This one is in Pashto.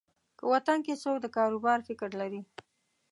که وطن کې څوک د کاروبار فکر لري.